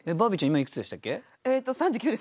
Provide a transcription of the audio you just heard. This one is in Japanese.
今いくつでしたっけ？